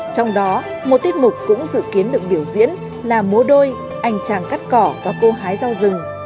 trong đó một tiết mục cũng dự kiến được biểu diễn là múa đôi anh tràng cắt cỏ và cô hái rau rừng